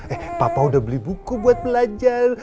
eh papa udah beli buku buat belajar